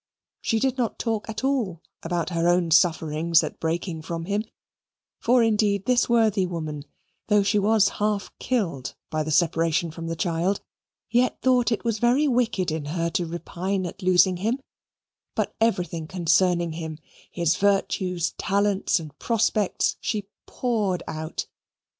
She did not talk at all about her own sufferings at breaking from him, for indeed, this worthy woman, though she was half killed by the separation from the child, yet thought it was very wicked in her to repine at losing him; but everything concerning him, his virtues, talents, and prospects, she poured out.